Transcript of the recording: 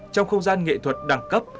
trong không gian nghệ thuật đẳng cấp